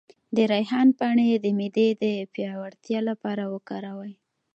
د ریحان پاڼې د معدې د پیاوړتیا لپاره وکاروئ